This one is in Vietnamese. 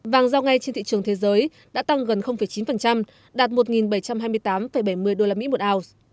vàng giao ngay trên thị trường thế giới đã tăng gần chín đạt một bảy trăm hai mươi tám bảy mươi usd một ounce